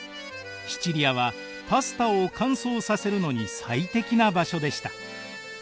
シチリアはパスタを乾燥させるのに最適な場所でした。